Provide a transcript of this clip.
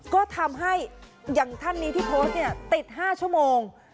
ก็ทำให้อย่างท่านนี้ที่โพสต์เนี่ยติด๕ชั่วโมง